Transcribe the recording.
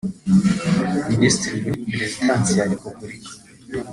Minisitiri muri Perezidansi ya Repubulika